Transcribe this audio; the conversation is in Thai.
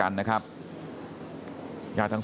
กระดิ่งเสียงเรียกว่าเด็กน้อยจุดประดิ่ง